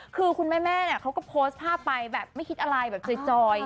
คือคุณแม่เนี่ยเขาก็โพสต์ภาพไปแบบไม่คิดอะไรแบบจอย